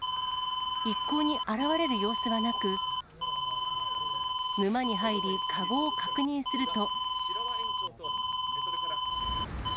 一向に現れる様子はなく、沼に入り、籠を確認すると。